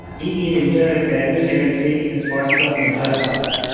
He is interred at Fairview Cemetery in Scottsbluff, Nebraska.